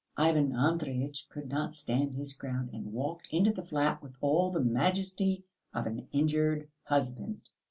Ivan Andreyitch could not stand his ground, and walked into the flat with all the majesty of an injured husband.